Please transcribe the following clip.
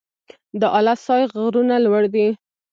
د اله سای غرونه لوړ دي